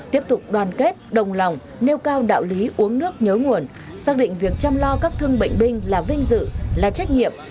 tiếp tục đoàn kết đồng lòng nêu cao đạo lý uống nước nhớ nguồn xác định việc chăm lo các thương bệnh binh là vinh dự là trách nhiệm